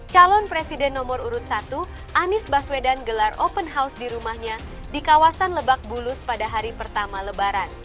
calon presiden nomor urut satu anies baswedan gelar open house di rumahnya di kawasan lebak bulus pada hari pertama lebaran